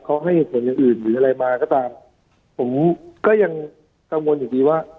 เขาให้เหตุผลอย่างอื่นหรืออะไรมาก็ตามผมก็ยังกังวลอยู่ดีว่า